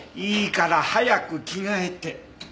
いいから早く着替えて！